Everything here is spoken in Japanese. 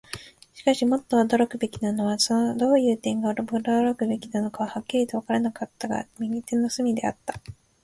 しかし、もっと驚くべきものは、どういう点が驚くべきかははっきりとはわからなかったのだが、右手の隅であった。